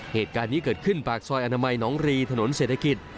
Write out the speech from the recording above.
เหตุการณ์นี้เกิดขึ้นปากซอยอนามัยน้องรีถนนเศรษฐกิจ